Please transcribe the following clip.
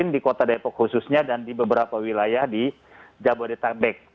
di kota depok khususnya dan di beberapa wilayah di jabodetabek